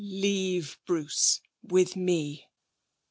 Leave Bruce, with me!'